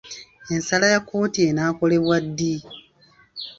Ensala ya kkooti enaakolebwa ddi?